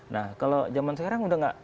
nah kalau zaman sekarang udah gak